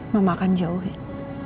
mama akan jauhin